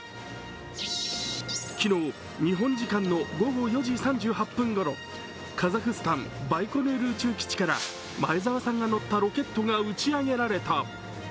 昨日、日本時間の午後４時３８分ごろ、カザフスタン・バイコヌール宇宙基地から前澤さんが乗ったロケットが打ち上げられた。